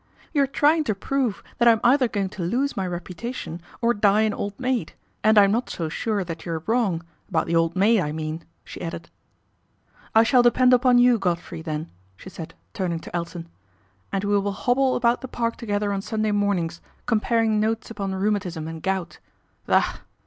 " You're trying to prove that I'm either going to lose my reputation, or die an old maid, and I'm not so sure that you're wrong, about the old maid, I mean," she added, j " I shall depend upon you, Godfrey, then," she said, turning to Elton, " and we will hobble about the Park together on Sunday mornings, \ comparing notes upon rheumatism and gout, Ugh